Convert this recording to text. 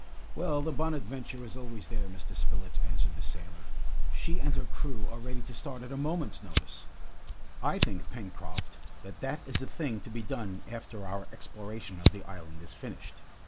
"Well, the 'Bonadventure' is always there, Mr. Spilett," answered the sailor. "She and her crew are ready to start at a moment's notice!" "I think, Pencroft, that that is a thing to be done after our exploration of the island is finished.